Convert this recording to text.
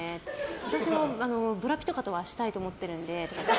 私もブラピとかとはしたいと思ってるので。